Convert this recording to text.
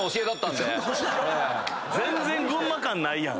全然群馬感ないやん。